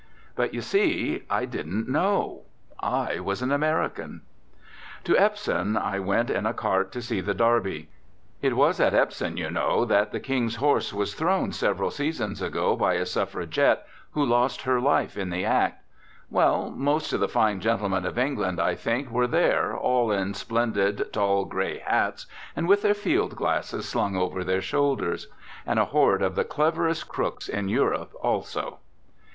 But, you see, I didn't know; I was an American. To Epsom I went in a cart to see the Derby. It was at Epsom, you know, that the King's horse was thrown several seasons ago by a suffragette who lost her life in the act. Well, most of the fine gentlemen of England, I think, were there, all in splendid tall grey hats and with their field glasses slung over their shoulders. And a horde of the cleverest crooks in Europe also.